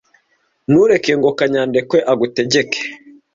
Ntureke ngo kanyandekwe agutegeke.